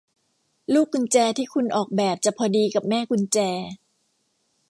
ลูกกุญแจที่คุณออกแบบจะพอดีกับแม่กุญแจ